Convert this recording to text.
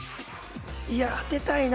いや当てたいな。